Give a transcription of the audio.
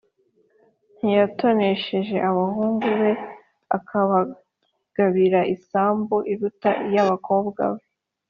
ntiyatonesha abahungu be akabagabira isambu iruta iy’abakobwa be?